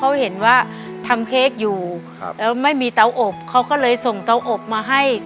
เขาเห็นว่าทำเค้กอยู่ครับแล้วไม่มีเตาอบเขาก็เลยส่งเตาอบมาให้